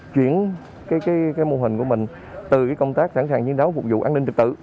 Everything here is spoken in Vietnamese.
chuyển cái mô hình của mình từ công tác sẵn sàng chiến đấu phục vụ an ninh trực tự